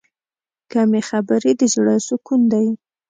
کمې خبرې، د زړه سکون دی.